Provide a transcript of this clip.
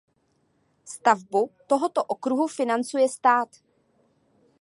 Stavbu tohoto okruhu financuje stát.